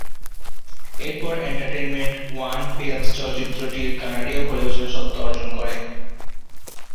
এরপর entertainment one films চলচ্চিত্রটির কানাডীয় পরিবেশনা স্বত্ব অর্জন করে।